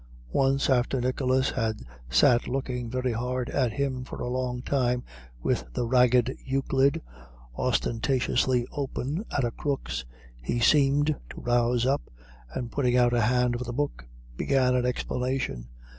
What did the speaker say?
Once after Nicholas had sat looking very hard at him for a long time with the ragged Euclid ostentatiously open at a crux, he seemed to rouse up, and putting out a hand for the book, began an explanation.